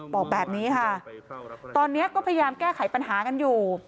บอกแบบนี้ค่ะตอนนี้ก็พยายามแก้ไขปัญหากันอยู่